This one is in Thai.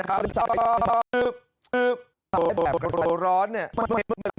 เปลื๊บเพื่อที่แบบร้อยร้อนเลย